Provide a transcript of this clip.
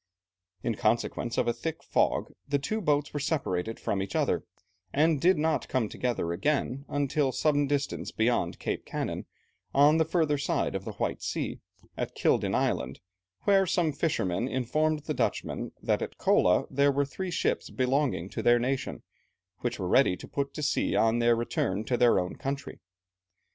In consequence of a thick fog the two boats were separated from each other, and did not come together again until some distance beyond Cape Kanin on the further side of the White Sea, at Kildyn Island, where some fishermen informed the Dutchmen that at Kola there were three ships belonging to their nation, which were ready to put to sea on their return to their own country.